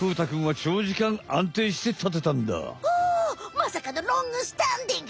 まさかのロングスタンディング！